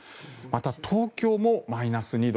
東京もマイナス２度。